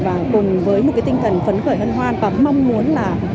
và cùng với một cái tinh thần phấn khởi hân hoan và mong muốn là